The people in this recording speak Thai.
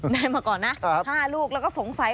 ได้มาก่อนนะ๕ลูกแล้วก็สงสัย